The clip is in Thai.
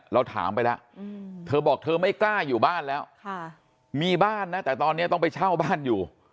เราถามไปแล้วเธอบอกเธอไม่กล้าอยู่บ้านแล้วมีบ้านนะแต่ตอนนี้ต้องไปเช่าบ้านอยู่